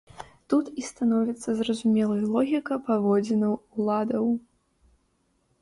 Тут і становіцца зразумелай логіка паводзінаў уладаў.